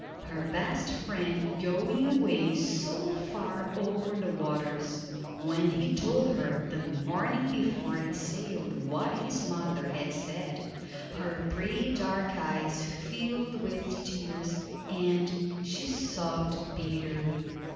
Her best friend going away so far over the waters. When he told her the morning before he sailed what his mother had said, her pretty dark eyes filled with tears, and she sobbed bitterly.